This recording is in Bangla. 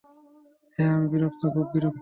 হ্যাঁ, আমি বিরক্ত, খুব বিরক্ত।